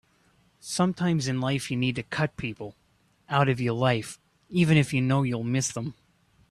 Sometimes in life you need to cut people out of your life even if you know you'll miss them.